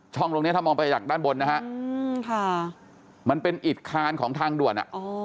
ตรงนี้ถ้ามองไปจากด้านบนนะฮะมันเป็นอิดคานของทางด่วน